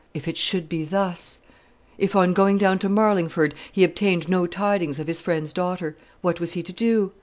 If it should be thus: if, on going down to Marlingford, he obtained no tidings of his friend's daughter, what was he to do?